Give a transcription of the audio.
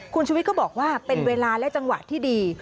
คุณชุวิตก็บอกว่าเป็นเวลาและจังหวะที่ดี